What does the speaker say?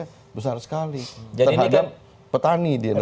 pengaruh efeknya besar sekali terhadap petani di indonesia